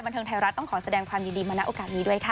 เทิงไทยรัฐต้องขอแสดงความยินดีมาณโอกาสนี้ด้วยค่ะ